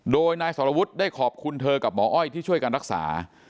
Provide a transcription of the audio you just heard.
โดยนายสรวุฒิได้ขอบคุณเธอกับหมออ้อยที่ช่วยกันรักษา